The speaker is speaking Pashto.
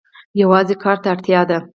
یوازې کار ته اړتیا ده.